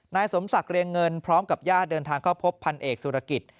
นายสมศักดิ์เรียงเงินพร้อมกับญาติเดินทางเข้าพบพันเอกสุรกิจ